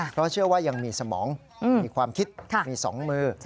เพราะเชื่อว่ายังมีสมองมีความคิดมี๒มือ